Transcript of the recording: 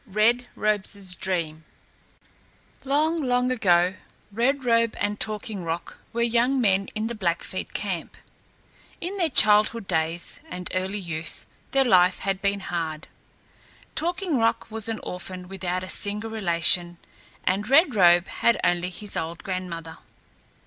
RED ROBE'S DREAM Long, long ago, Red Robe and Talking Rock were young men in the Blackfeet camp. In their childhood days and early youth their life had been hard. Talking Rock was an orphan without a single relation and Red Robe had only his old grandmother.